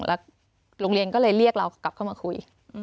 แล้วโรงเรียนก็เลยเรียกเรากลับเข้ามาคุย